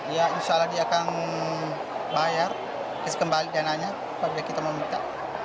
ya insya allah dia akan bayar kasih kembali dana nya kalau kita mau minta